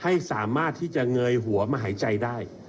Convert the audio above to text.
ให้สามารถที่จะเงยหัวมาหายใจได้